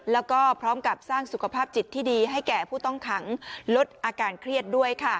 แล้วก็พร้อมกับสร้างสุขภาพจิตที่ดีให้แก่ผู้ต้องขังลดอาการเครียดด้วยค่ะ